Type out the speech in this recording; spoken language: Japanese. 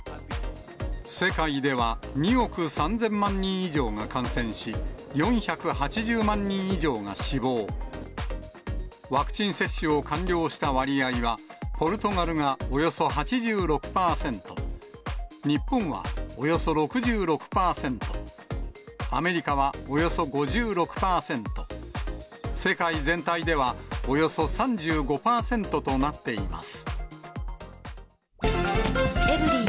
世界では２億３０００万人以上が感染し、４８０万人以上が死亡、ワクチン接種を完了した割合は、ポルトガルがおよそ８６％、日本はおよそ６６％、アメリカはおよそ５６％、世界全体ではおよそ３５％となっています。